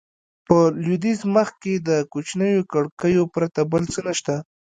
په لوېدیځ مخ کې د کوچنیو کړکیو پرته بل څه نه شته.